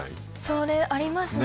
それありますね